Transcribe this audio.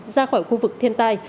ra khỏi khu vực thiên tai